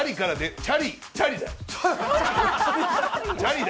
チャリだ。